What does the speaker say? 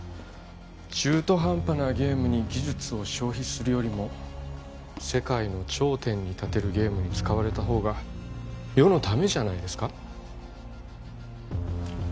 中途半端なゲームに技術を消費するよりも世界の頂点に立てるゲームに使われたほうが世のためじゃないですか？